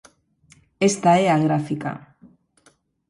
Esta é a gráfica.